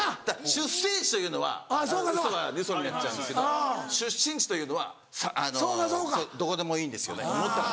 出生地というのはウソになっちゃうんですけど出身地というのはどこでもいいんですよね思ったとこ。